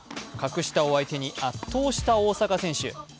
格下を相手に圧倒した大坂選手。